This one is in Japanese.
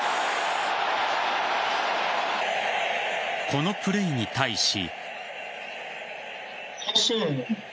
このプレーに対し。